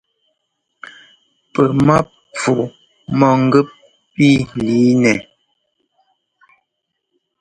Pɛ́ mápfu mɔ̂gɛ́p pí lǐinɛ.